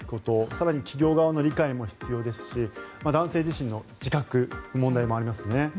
更に、企業側の理解も必要ですし男性自身の自覚の問題もありますね。